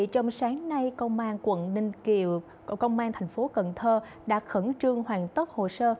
trong sáng nay công an quận ninh kiều công an thành phố cần thơ đã khẩn trương hoàn tất hồ sơ